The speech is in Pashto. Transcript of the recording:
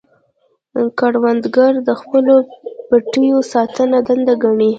کروندګر د خپلو پټیو ساتنه دنده ګڼي